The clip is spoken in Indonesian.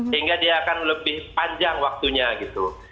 sehingga dia akan lebih panjang waktunya gitu